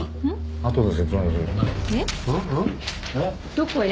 どこへ？